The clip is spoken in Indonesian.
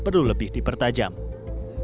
perlu lebih dipertimbangkan